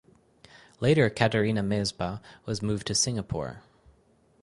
Later Katharina Mazepa was moved to Singapore.